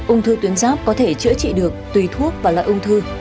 ung thư tuyến giáp có thể chữa trị được tùy thuốc và loại ung thư